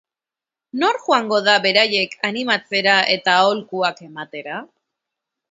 Nor joango da beraiek animatzera eta aholkuak ematera?